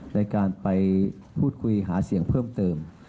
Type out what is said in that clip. ในการไปพูดคุยหาเสียงเพิ่มเติม